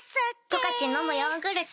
「十勝のむヨーグルト」